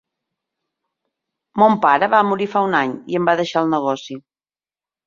Mon pare va morir fa un any i em va deixar el negoci.